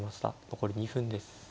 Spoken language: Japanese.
残り２分です。